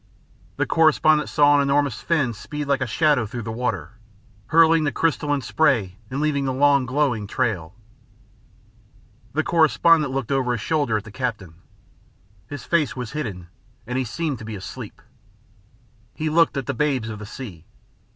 The correspondent saw an enormous fin speed like a shadow through the water, hurling the crystalline spray and leaving the long glowing trail. The correspondent looked over his shoulder at the captain. His face was hidden, and he seemed to be asleep. He looked at the babes of the sea.